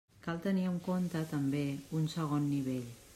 Cal tenir en compte, també, un segon nivell.